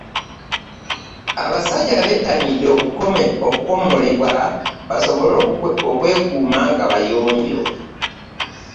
abasajja bbetanidde okukomolebwa bbasobole okwekuuma nga bayonjo